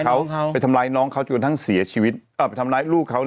ไปทำร้ายน้องเขาไปทำร้ายน้องเขาจะกระทั่งเสียชีวิตเอ่อไปทำร้ายลูกเขา